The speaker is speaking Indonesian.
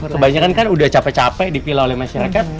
kebanyakan kan sudah capek capek dipila oleh masyarakat